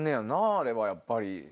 あれはやっぱり。